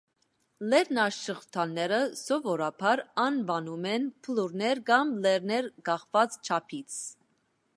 Լեռնաշղթաները սովորաբար անվանում են բլուրներ կամ լեռներ՝ կախված չափից։